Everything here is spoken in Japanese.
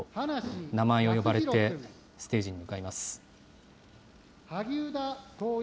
名前を呼ばれて、ステージに向かいます。